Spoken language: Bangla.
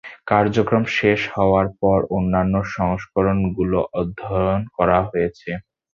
কার্যক্রম শেষ হওয়ার পর, অন্যান্য সংস্করণগুলো অধ্যয়ন করা হচ্ছে।